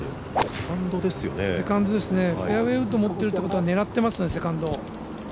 セカンドですねフェアウエーを持っているということは狙っていますね、セカンドを。